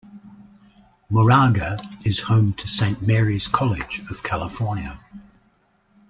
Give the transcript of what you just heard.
Moraga is home to Saint Mary's College of California.